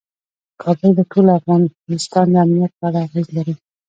کابل د ټول افغانستان د امنیت په اړه اغېز لري.